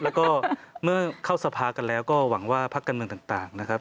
แล้วก็เมื่อเข้าสภากันแล้วก็หวังว่าพักการเมืองต่างนะครับ